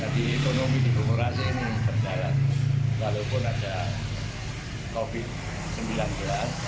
jadi ekonomi di bungurasi ini berjalan walaupun ada covid sembilan belas